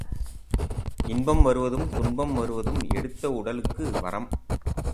இன்பம் வருவதும் துன்பம் வருவதும் எடுத்த உடலுக்கு வரம்.